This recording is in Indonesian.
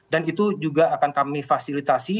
dan itu juga akan kami fasilitasi